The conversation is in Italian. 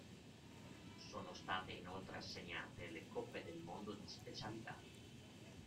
Sono state inoltre assegnate le Coppe del Mondo di specialità.